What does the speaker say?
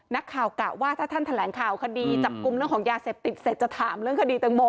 นักข่าวกะว่าถ้าท่านแถลงข่าวคดีจับกลุ่มเรื่องของยาเสพติดเสร็จจะถามเรื่องคดีตังโม